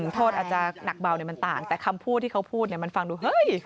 โทษอาจจะหนักเบาเนี่ยมันต่างแต่คำพูดที่เขาพูดเนี่ยมันฟังดูเฮ้ย